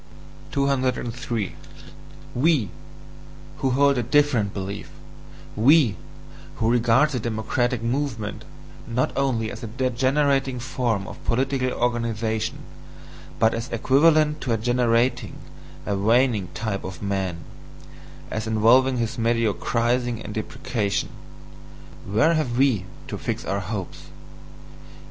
203. We, who hold a different belief we, who regard the democratic movement, not only as a degenerating form of political organization, but as equivalent to a degenerating, a waning type of man, as involving his mediocrising and depreciation: where have WE to fix our hopes?